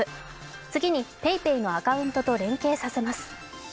次に、ＰａｙＰａｙのアカウントと連携させます。